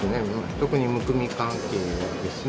特にむくみ関係ですね。